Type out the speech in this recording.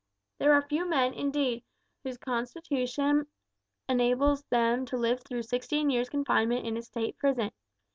There are few men, indeed, whose constitution enable them to live through sixteen years' confinement in a state prison.